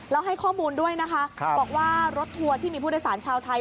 แล้วให้ข้อมูลด้วยนะคะบอกว่ารถทัวร์ที่มีผู้โดยสารชาวไทย